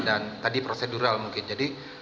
dan tadi prosedural mungkin jadi